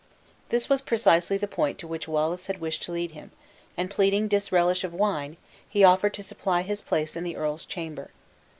This was precisely the point to which Wallace had wished to lead him; and pleading disrelish of wine, he offered to supply his place in the earl's chamber.